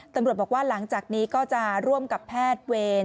ตำรวจบอกว่าหลังจากนี้ก็จะร่วมกับแพทย์เวร